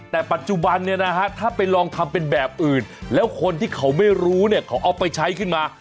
แต่ปัจจุบันเนี่ยนะฮะถ้าไปลองทำเป็นแบบอื่นแล้วคนที่เขาไม่รู้เนี่ยเขาเอาไปใช้ขึ้นมา